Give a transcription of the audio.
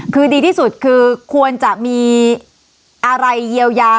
คือดีที่สุดคือควรจะมีอะไรเยียวยา